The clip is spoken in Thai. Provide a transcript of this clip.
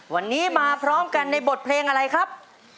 วันนี้มาพร้อมกันในบทเพลงอะไรครับ